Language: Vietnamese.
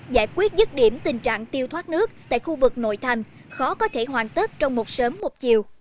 giải quyết dứt điểm tình trạng tiêu thoát nước tại khu vực nội thành khó có thể hoàn tất trong một sớm một chiều